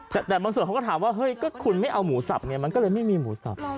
แต่บางส่วนเขาก็ถามว่าเฮ้ยก็คุณไม่เอาหมูสับไงมันก็เลยไม่มีหมูสับ